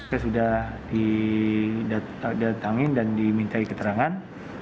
saya sudah didatangin dan dimintai keterangan